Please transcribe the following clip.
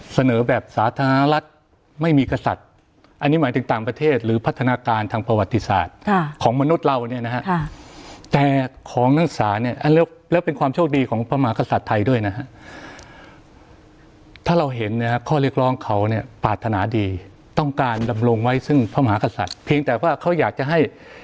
เสนอแบบสาธารณรัฐไม่มีกษัตริย์อันนี้หมายถึงต่างประเทศหรือพัฒนาการทางประวัติศาสตร์ของมนุษย์เราเนี่ยนะฮะแต่ของนักศึกษาเนี่ยแล้วเป็นความโชคดีของพระมหากษัตริย์ไทยด้วยนะฮะถ้าเราเห็นเนี่ยข้อเรียกร้องเขาเนี่ยปรารถนาดีต้องการดำรงไว้ซึ่งพระมหากษัตริย์เพียงแต่ว่าเขาอยากจะให้